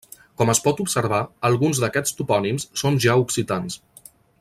Com es pot observar, alguns d'aquests topònims són ja occitans.